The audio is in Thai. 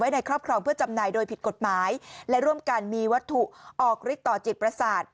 ในครอบครองเพื่อจำหน่ายโดยผิดกฎหมายและร่วมกันมีวัตถุออกฤทธิต่อจิตประสาท